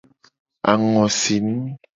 Angosinu.